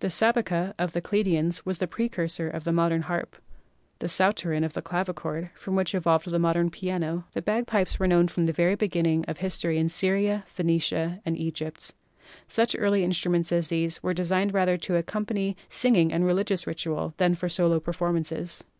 The Sabeca of the Chaldeans was the precursor of the modern harp, the Psauterin of the clavichord, from which evolved the modern piano. The bagpipes were known from the very beginning of history in Syria, Phenicia and Egypt. Such early instruments as these were designed rather to accompany singing and religious ritual than for solo performances.